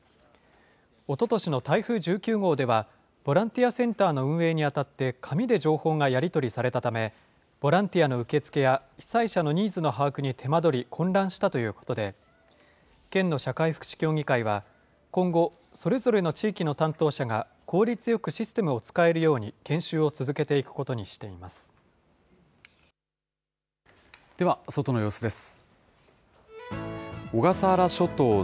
おととしの台風１９号では、ボランティアセンターの運営にあたって紙で情報がやり取りされたため、ボランティアの受け付けや被災者のニーズの把握に手間取り、混乱したということで、県の社会福祉協議会は今後、それぞれの地域の担当者が効率よくシステムを使えるように研修をでは、外の様子です。